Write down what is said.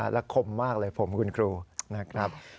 และคมมากเลยผมคุณครูนะครับ